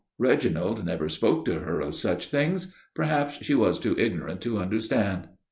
Reginald never spoke to her of such things; perhaps she was too ignorant to understand.